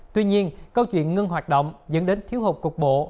tuy nhiên câu chuyện ngưng hoạt động dẫn đến thiếu hụt cục bộ